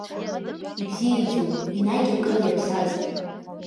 Ибзиаӡоу, енагь акыр иаԥсаз.